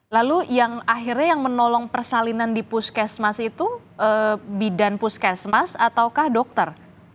lalu yang akhirnya yang menolong persalinan di puskesmas itu bidan puskesmas ataukah dokter